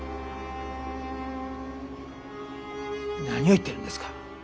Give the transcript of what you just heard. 何を言ってるんですか？